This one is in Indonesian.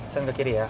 send ke kiri ya